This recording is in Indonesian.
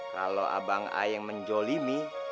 kalau abang ayang menjolimi